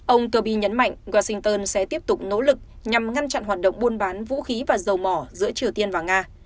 ông kirby nhấn mạnh washington sẽ tiếp tục nỗ lực nhằm ngăn chặn hoạt động buôn bán vũ khí và dầu mỏ giữa triều tiên và nga